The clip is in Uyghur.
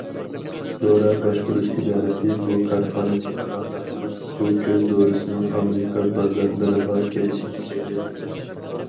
دورا باشقۇرۇش ئىدارىسى بۇ كارخانىنى ئاگاھلاندۇرۇپ، بۇ كۆز دورىسىنىڭ ئامېرىكا بازارلىرىغا كىرىشىنى چەكلىدى.